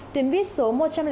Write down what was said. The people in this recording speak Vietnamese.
tuyến buýt số một trăm linh chín